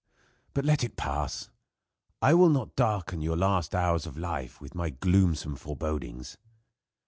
But let it pass. I will not darken your last hours of life with my gloomsome forebodings.